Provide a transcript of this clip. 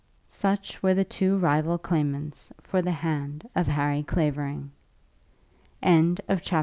Such were the two rival claimants for the hand of Harry Clavering. CHAPTER XVII.